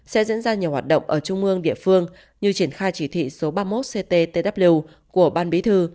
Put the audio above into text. sẽ diễn ra nhiều hoạt động ở trung ương địa phương như triển khai chỉ thị số ba mươi một cttw của ban bí thư